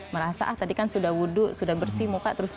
merasa ah tadi kan sudah wudhu sudah bersih muka